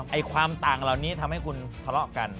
ความต่างเหล่านี้ทำให้คุณทะเลาะกัน